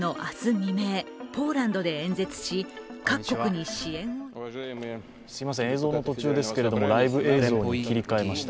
未明、ポーランドで演説し各国に支援を映像の途中ですが、ライブ映像に切り替えました。